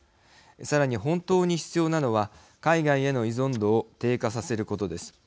さらに、本当に必要なのは海外への依存度を低下させることです。